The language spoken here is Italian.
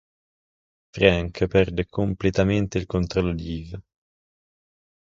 Frank perde completamente il controllo di Eve.